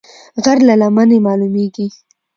غر له لمنې مالومېږي